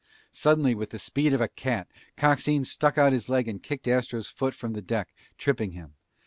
Suddenly, with the speed of a cat, Coxine stuck out his leg and kicked Astro's foot from the deck, tripping him.